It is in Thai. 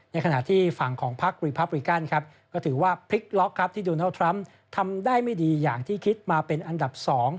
ในขณะที่ฝั่งของภักดิโรปริกันครับ